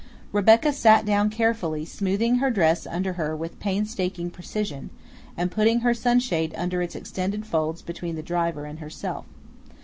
Rebecca sat down carefully, smoothing her dress under her with painstaking precision, and putting her sunshade under its extended folds between the driver and herself.